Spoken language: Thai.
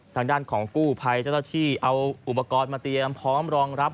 ทางด้านของกู้ภัยเจ้าหน้าที่เอาอุปกรณ์มาเตรียมพร้อมรองรับ